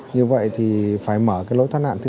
như vậy thì phải mở lối thoát nạn thứ hai